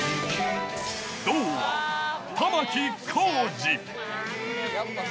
銅は玉置浩二。